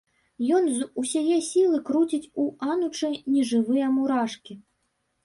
Ён з усяе сілы круціць у анучы нежывыя мурашкі.